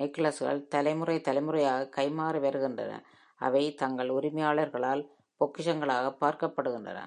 நெக்லஸ்கள் தலைமுறை தலைமுறையாக கைமாறி வருகின்றன. அவை தங்கள் உரிமையாளர்களால் பொக்கிஷங்களாகப் பார்க்கப்படுகின்றன.